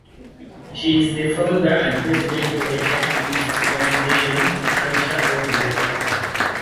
She is the founder and president of the activist organisation "Culture of Life Africa".